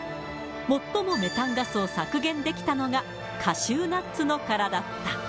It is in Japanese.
最もメタンガスを削減できたのが、カシューナッツの殻だった。